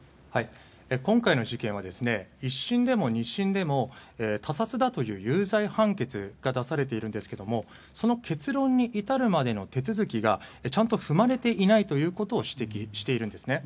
今回の事件は１審でも２審でも他殺だという有罪判決が出されているんですがその結論に至るまでの手続きがちゃんと踏まれていないことを指摘しているんですね。